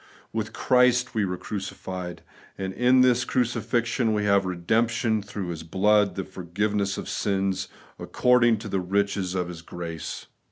With Christ were we crucified : and in this cruci fixion we have ' redemption through His blood, the forgiveness of sins, according to the riches of His grace.'